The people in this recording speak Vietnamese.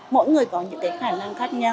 mỗi người có những cái khả năng khác nhau